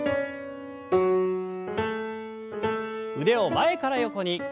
腕を前から横に。